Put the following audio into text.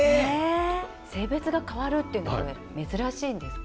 性別が変わるっていうのはこれ珍しいんですか？